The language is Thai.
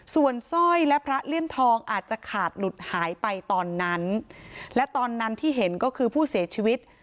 ส่วนสร้อยและพระเลี่ยมทองอาจจะขาดหลุดหายไปตอนนั้นและตอนนั้นที่เห็นก็คือผู้เสียชีวิต